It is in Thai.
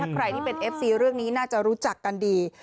ใครที่เป็นเอฟซีเรื่องนี้น่าจะรู้จักกันดี